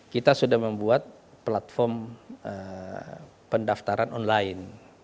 kita sudah membuat platform pendaftaran online